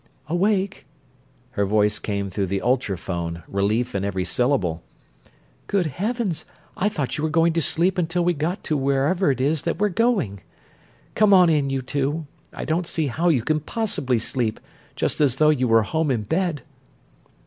"Awake!" Her voice came through the ultra phone, relief in every syllable. "Good heavens, I thought you were going to sleep until we got to wherever it is that we're going! Come on in, you two I don't see how you can possibly sleep, just as though you were home in bed."